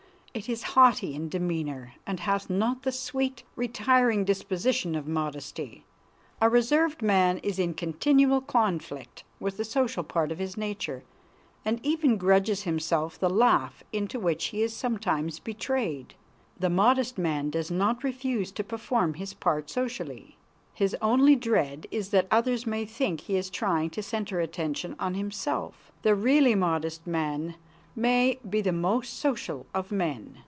It is haughty in demeanor, and hath not the sweet, retiring disposition of modesty. A reserved man is in continual conflict with the social part of his nature, and even grudges himself the laugh into which he is sometimes betrayed. The modest man does not refuse to perform his part socially. His only dread is that others may think he is trying to center attention on himself. The really modest man may be the most social of men.